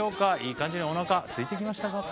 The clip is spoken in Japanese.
いい感じにおなかすいてきましたか？